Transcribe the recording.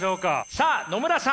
さあ野村さん。